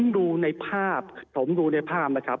ดูในภาพผมดูในภาพนะครับ